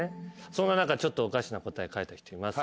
そんな中ちょっとおかしな答え書いた人います。